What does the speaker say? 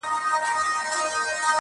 لېونی نه یمه هوښیار یمه رقیب پیژنم٫